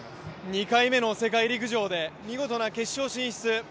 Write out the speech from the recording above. ２回目の世界陸上で見事な決勝進出。